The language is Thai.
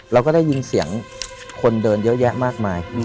เราก็ได้ยินเสียงคนเดินเยอะแยะมากมาย